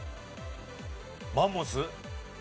マンモス？